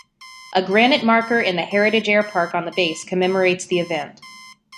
A granite marker in the Heritage Airpark on the base commemorates the event.